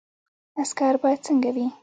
عسکر باید څنګه وي؟